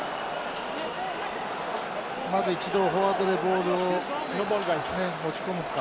まず一度フォワードでボールをね持ち込むか。